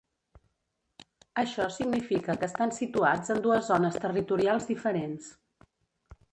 Això significa que estan situats en dues zones territorials diferents.